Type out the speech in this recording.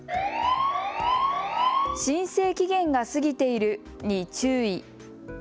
申請期限が過ぎているに注意。